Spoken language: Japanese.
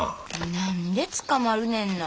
何で捕まるねんな。